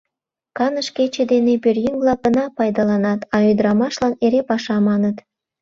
Каныш кече дене пӧръеҥ-влак гына пайдаланат, а ӱдырамашлан эре паша», — маныт.